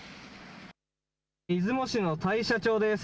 出雲市の大社町です。